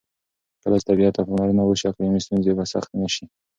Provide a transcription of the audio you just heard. کله چې طبیعت ته پاملرنه وشي، اقلیمي ستونزې به سختې نه شي.